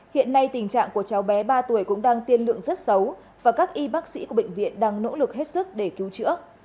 hiện nay tình trạng của cháu bé ba tuổi cũng đang tiên lượng rất xấu và các y bác sĩ của bệnh viện đang nỗ lực hết sức để cứu chữa